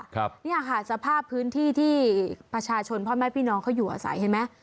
ครับเนี่ยค่ะสภาพพื้นที่ที่ประชาชนพ่อแม่พี่น้องเขาอยู่อาศัยเห็นไหม